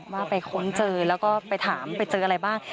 ว่าไปค้นเจอแล้วก็ไปถามไปเจออะไรบ้าง